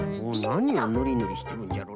なにをぬりぬりしてるんじゃろうな。